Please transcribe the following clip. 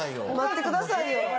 待ってくださいよ。